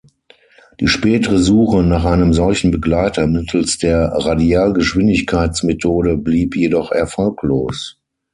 Die spätere Suche nach einem solchen Begleiter mittels der Radialgeschwindigkeitsmethode blieb jedoch erfolglos.